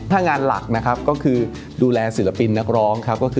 หากงานหลักนะครับคือดูแลศิลปินนักร้องครับ